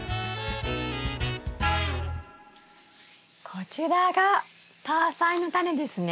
こちらがタアサイのタネですね。